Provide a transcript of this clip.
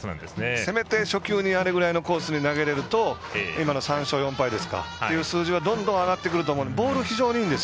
せめて初球にあれぐらいのコースに投げれると今の３勝４敗という数字はどんどん上がってくると思います。